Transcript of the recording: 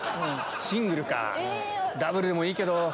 シングルかダブルでもいいけど。